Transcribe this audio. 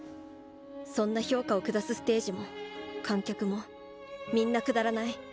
そんな評価を下すステージも観客もみんなくだらない。